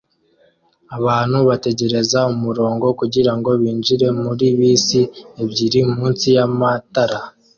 Abantu bategereza umurongo kugirango binjire muri bisi ebyiri munsi yamatara